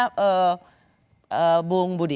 ini juga ke bung budi